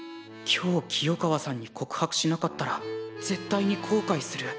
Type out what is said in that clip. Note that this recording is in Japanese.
今日清川さんに告白しなかったら絶対にこうかいする。